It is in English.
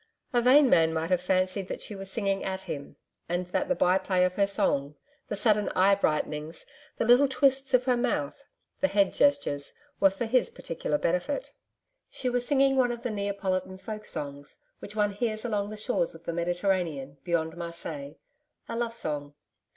A vain man might have fancied that she was singing at him, and that the by play of her song the sudden eye brightenings, the little twists of her mouth, the head gestures, were for his particular benefit. She was singing one of the Neapolitan folk songs which one hears along the shores of the Mediterranean beyond Marseilles a love song.